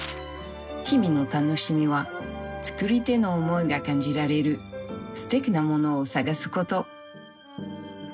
日々の楽しみは作り手の思いが感じられるすてきなものを探すこと。